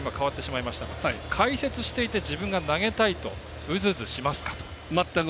解説していて自分が投げたいとウズウズしますか？